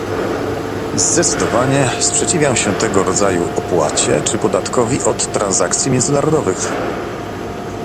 Zdecydowanie sprzeciwiam się tego rodzaju opłacie czy podatkowi od transakcji międzynarodowych